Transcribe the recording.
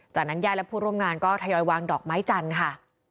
จากนั้นญาติและผู้ร่วมงานก็ทยอยวางดอกไม้จันทร์ค่ะ